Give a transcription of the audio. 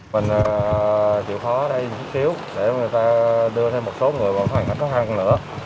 mình chịu khó ở đây một chút xíu để người ta đưa thêm một số người vào hoàn hảo khóa ăn nữa